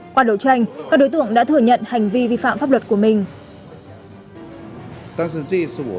qua đấu tranh các đối tượng đã thừa nhận hành vi vi phạm pháp luật của mình